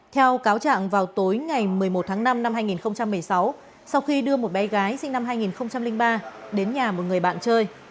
theo cáo trạng vào tối ngày một mươi một tháng năm năm hai nghìn một mươi sáu sau khi đưa một bé gái sinh năm hai nghìn ba đến nhà một người bạn chơi